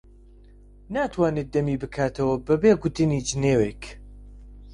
ناتوانێت دەمی بکاتەوە بەبێ گوتنی جنێوێک.